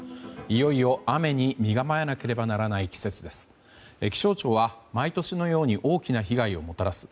いよいよ雨に身構えなければいけない季節です。